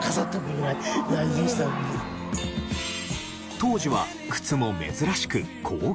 当時は靴も珍しく高級品。